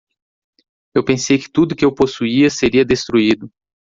Eu pensei que tudo que eu possuía seria destruído.